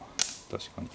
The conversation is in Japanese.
確かに。